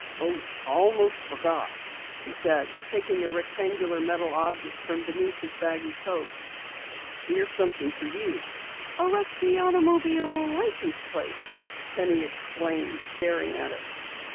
"Oh, I almost forgot," he said, taking a rectangular metal object from beneath his baggy coat. "Here's something for you." "A rusty automobile license plate!" Penny exclaimed, staring at it.